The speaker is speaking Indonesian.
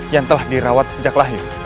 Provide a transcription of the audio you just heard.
yang telah dirawat sejak lahir